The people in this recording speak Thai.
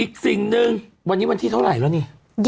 อีกสิ่งหนึ่งวันนี้วันที่เท่าไหร่แล้วนี่